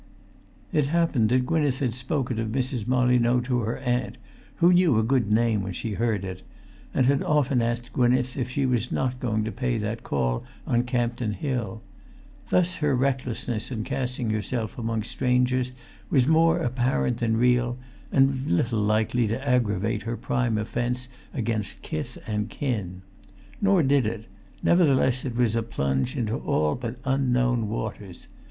It happened that Gwynneth had spoken of Mrs. Molyneux to her aunt, who knew a good name when she heard it, and had often asked Gwynneth if she was not going to pay that call on Campden Hill; thus her recklessness in casting herself among strangers was more apparent than real, and little likely to aggravate her prime offence against kith and kin. Nor did it; nevertheless it was a plunge into all but unknown waters.